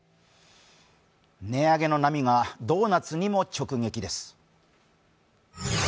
値上げの波がドーナツにも直撃です。